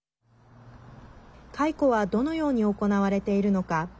解雇はどのように行われているのか。